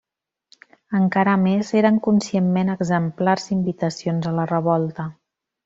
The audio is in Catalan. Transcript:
Encara més, eren conscientment exemplars, invitacions a la revolta.